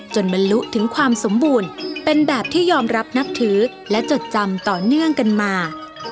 บรรลุถึงความสมบูรณ์เป็นแบบที่ยอมรับนับถือและจดจำต่อเนื่องกันมา